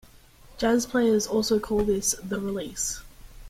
Jazz players also call this "the release".